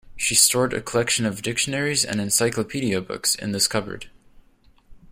She stored a collection of dictionaries and encyclopedia books in this cupboard.